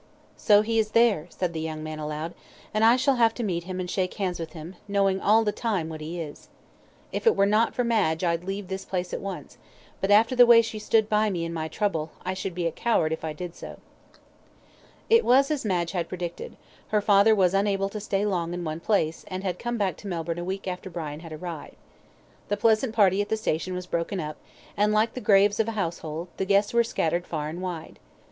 "So he is there," said the young man aloud; "and I shall have to meet him and shake hands with him, knowing all the time what he is. If it were not for Madge I'd leave this place at once, but after the way she stood by me in my trouble, I should be a coward if I did so." It was as Madge had predicted her father was unable to stay long in one place, and had come back to Melbourne a week after Brian had arrived. The pleasant party at the station was broken up, and, like the graves of a household, the guests were scattered far and wide.